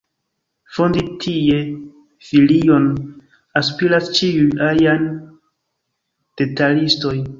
Fondi tie filion aspiras ĉiuj ajn detalistoj.